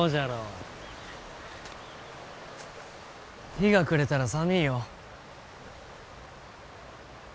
日が暮れたら寒いよ。